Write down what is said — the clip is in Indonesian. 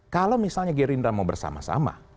kalau misalnya gerindra mau bersama sama